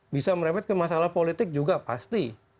bisa merepet ke masalah politik juga pasti